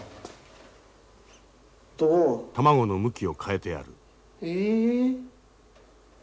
卵の向きを変えてやる。